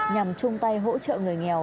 nhằm chung tay hỗ trợ người nghèo